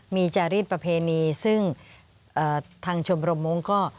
มีจารีสประเพณีซึ่งทางชมรมมงค์ก็